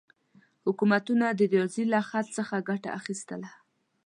حکومتونه د ریاضي له خط څخه ګټه اخیستله.